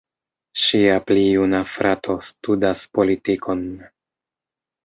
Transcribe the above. Ŝia pli juna frato studas politikon.